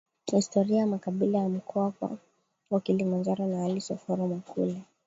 Historia ya makabila ya Mkoa wa Kilimanjaro na Alice Oforo Makule